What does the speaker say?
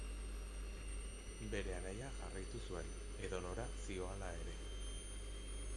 Bere anaia jarraitu zuen, edonora zihoala ere.